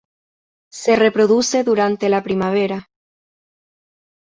Se reproduce durante la primavera.